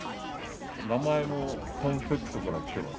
名前もコンフェクトから来てます。